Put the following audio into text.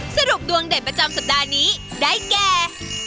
สรุปดวงเด่นประจำสัปดาห์นี้ได้แก่